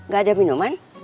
gak ada minuman